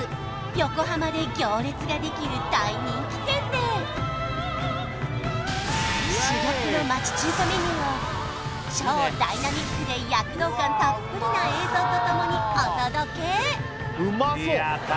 横浜で行列ができる大人気店で珠玉の町中華メニューを超ダイナミックで躍動感たっぷりな映像とともにお届けやった